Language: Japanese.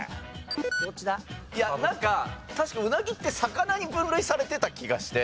いやなんか確かうなぎって魚に分類されてた気がして。